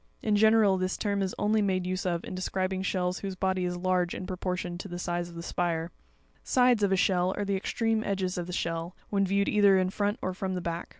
In general this term is only made use of in describing sheils whose body is large in proportion to the size of the spire (figs. 52 and 59). Sides of a shell, are the extreme edges of the shell, when viewed either in front or from. the back.